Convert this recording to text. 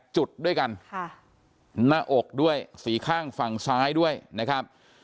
จุดด้วยกันหน้าอกด้วยสีข้างฝั่งซ้ายด้วยนะครับ